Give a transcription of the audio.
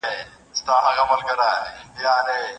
د څيړني لپاره ټاکل سوي موضوع باید تل نوي او په زړه پوري وي.